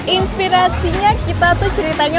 inspirasinya kita tuh ceritanya